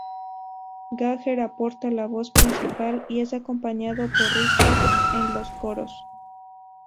Jagger aporta la voz principal y es acompañado por Richards en los coros.